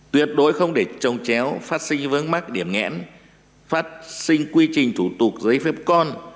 tuyệt đối không để trồng chéo phát sinh vương mắc điểm nghẽn phát sinh quy trình thủ tục giấy phép con